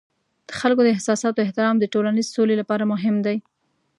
د خلکو د احساساتو احترام د ټولنیز سولې لپاره مهم دی.